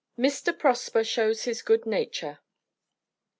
MR. PROSPER SHOWS HIS GOOD NATURE.